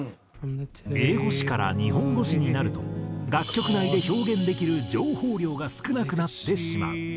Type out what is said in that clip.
英語詞から日本語詞になると楽曲内で表現できる情報量が少なくなってしまう。